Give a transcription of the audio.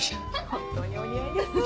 本当にお似合いです！